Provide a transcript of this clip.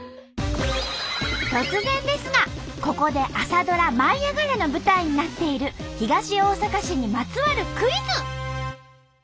突然ですがここで朝ドラ「舞いあがれ！」の舞台になっている東大阪市にまつわるクイズ！